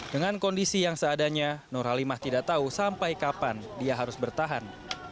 dengan kondisi yang seadanya nurhalimah tidak tahu sampai kapan dia harus bertahan